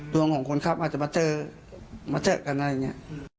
ดวงของคนขับอาจจะมาเจอมาเจอกันอะไรอย่างนี้